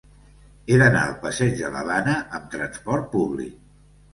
He d'anar al passeig de l'Havana amb trasport públic.